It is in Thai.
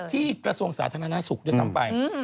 ที่กระทรวงสาธารณสุขเยอะซ้ำไป